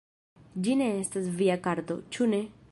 Ĝi ne estas via karto, ĉu ne?